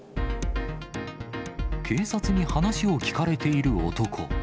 警察に話を聞かれている男。